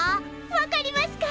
分かりますか？